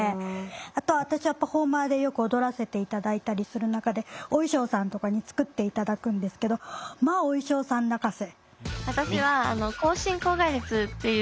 あと私はパフォーマーでよく踊らせて頂いたりする中でお衣装さんとかに作って頂くんですけどまあお衣装さん泣かせ。